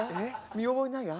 見覚えないわ。